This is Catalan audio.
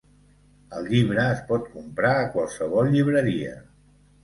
El llibre es pot comprar a qualsevol llibreria.